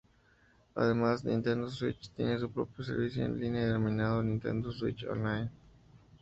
Además, la Nintendo Switch tiene su propio servicio en línea denominado Nintendo Switch Online.